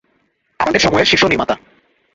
আমাদের সময়ের শীর্ষ নির্মাতা।